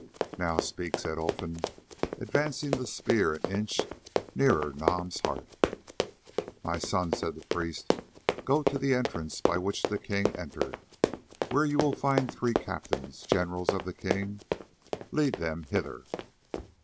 "Now, speak," said Olfan, advancing the spear an inch nearer Nam's heart. "My son," said the priest, "go to the entrance by which the king entered, where you will find three captains, generals of the king. Lead them hither."